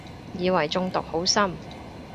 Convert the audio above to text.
以為中毒好深